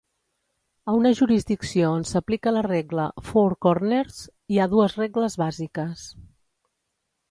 A una jurisdicció on s'aplica la regla "Four Corners", hi ha dues regles bàsiques.